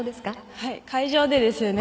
会場でですよね。